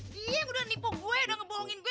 dia yang udah nipu gue udah ngebohongin gue